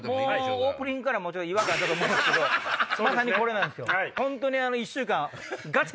オープニングから違和感あったと思うんですけどこれなんです。